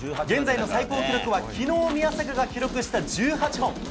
現在の最高記録は昨日、宮坂が記録した１８本。